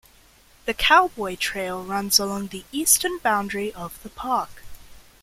The Cowboy Trail runs along the eastern boundary of the park.